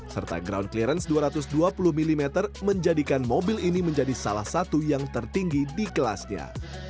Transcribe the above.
serta ground clearance dua ratus dua puluh mm menjadikan mobil ini menjadi salah satu yang tertinggi di kelasnya